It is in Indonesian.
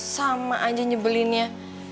sama aja nyebelinnya